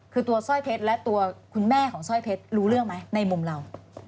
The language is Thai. คือตัวสร้อยเพชรและตัวคุณแม่ของสร้อยเพชรรู้เรื่องไหมในมุมเรา